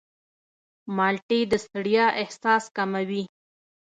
مالټې د ستړیا احساس کموي.